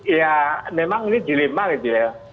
ya memang ini dilema gitu ya